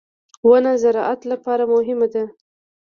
• ونه د زراعت لپاره مهمه ده.